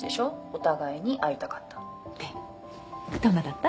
お互いに会いたかった」でどんなだった？